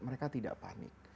mereka tidak panik